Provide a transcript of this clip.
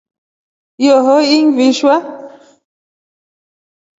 Ihoi ingivishwa.